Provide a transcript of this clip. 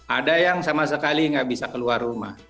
ada yang sama sekali nggak bisa keluar rumah